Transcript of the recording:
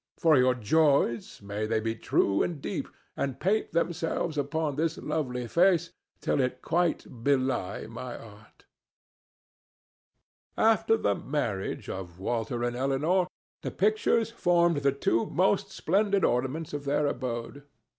For your joys, may they be true and deep, and paint themselves upon this lovely face till it quite belie my art!" After the marriage of Walter and Elinor the pictures formed the two most splendid ornaments of their abode.